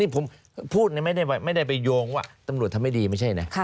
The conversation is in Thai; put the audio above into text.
ผมพูดไม่ได้ไปโยงว่าตำรวจทำไม่ดีไม่ใช่นะ